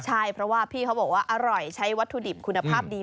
ใช่เพราะว่าพี่เขาบอกว่าอร่อยใช้วัตถุดิบคุณภาพดี